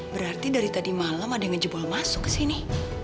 berarti dari tadi malam ada yang ngejebol masuk ke sini